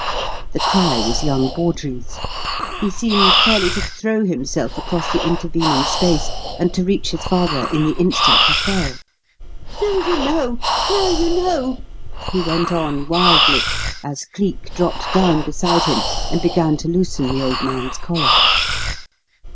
The cry was young Bawdrey's. He seemed fairly to throw himself across the intervening space and to reach his father in the instant he fell. "Now you know! Now you know!" he went on wildly, as Cleek dropped down beside him and began to loosen the old man's collar.